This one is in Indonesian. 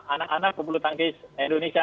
anak anak pebulu tangkis indonesia